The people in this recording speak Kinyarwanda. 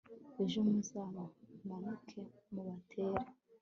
ejo muzamanuke mubatere